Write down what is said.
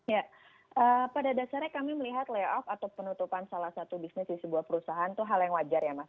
ya pada dasarnya kami melihat layoff atau penutupan salah satu bisnis di sebuah perusahaan itu hal yang wajar ya mas